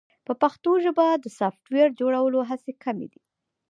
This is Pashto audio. په پښتو ژبه د سافټویر جوړولو هڅې کمې دي.